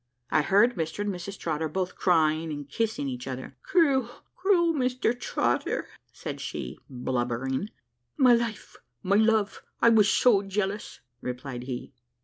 I heard Mr and Mrs Trotter both crying and kissing each other. "Cruel, cruel Mr Trotter!" said she blubbering. "My life, my love, I was so jealous!" replied he.